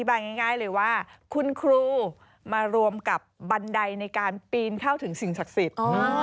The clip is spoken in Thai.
ใบง่ายเลยว่าคุณครูมารวมกับบันไดในการปีนเข้าถึงสิ่งศักดิ์สิทธิ์